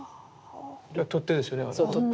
取っ手ですよね。